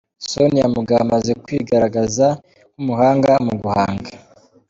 Sonia Mugabo amaze kwigaragaza nk’umuhanga mu guhanga.